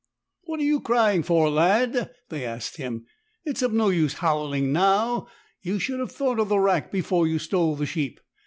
''What are you crying for, my lad?" they asked him. "It is of no use howling now. You should have thought of the rack before you stole the sheep.